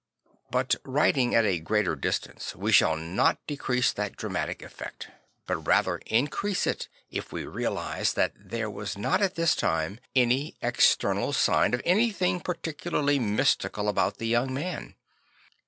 But writing at a greater distance, we shall not decrease that dramatic effect, but rather increase it, if we realise that there was not at this time any external sign of anything particularly mystical about the young man.